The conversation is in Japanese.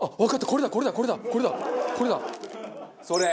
これだこれだこれだこれだこれだ！